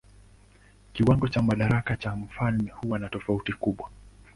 Kiwango cha madaraka cha mfalme huwa na tofauti kubwa.